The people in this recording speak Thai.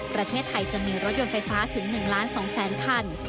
ประเทศไทยจะมีรถยนต์ไฟฟ้าถึง๑ล้าน๒แสนคัน